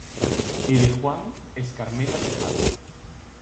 É de Juan Escarmena Tejada.